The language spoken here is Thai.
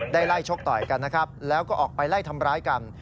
ไล่ชกต่อยกันนะครับแล้วก็ออกไปไล่ทำร้ายกัน